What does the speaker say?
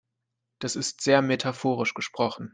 Das ist sehr metaphorisch gesprochen.